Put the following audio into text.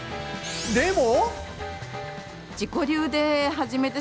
でも。